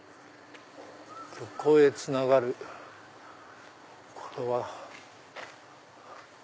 ここへつながるってことは。